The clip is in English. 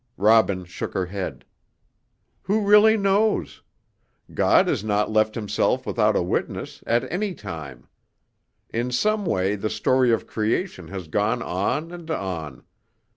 Robin shook her head. "Who really knows? God has not left Himself without a witness, at any time. In some way the story of creation has gone on and on.